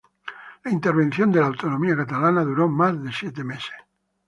La intervención de la autonomía catalana duró más de siete meses.